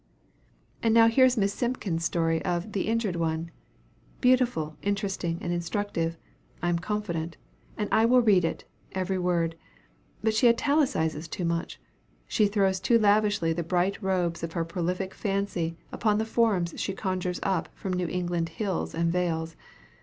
"And now here is Miss Simpkin's story of 'The injured One' beautiful, interesting, and instructive, I am confident; and I will read it, every word; but she italicises too much; she throws too lavishly the bright robes of her prolific fancy upon the forms she conjures up from New England hills and vales.